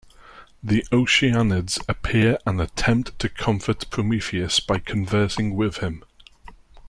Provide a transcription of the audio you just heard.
The Oceanids appear and attempt to comfort Prometheus by conversing with him.